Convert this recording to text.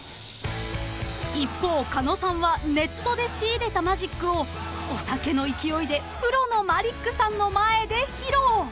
［一方狩野さんはネットで仕入れたマジックをお酒の勢いでプロのマリックさんの前で披露］